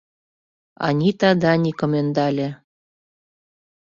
Анита Даникым ӧндале.